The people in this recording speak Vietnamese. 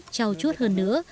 trao chút hơn nữa